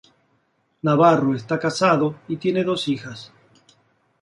Navarro está casado y tiene dos hijas.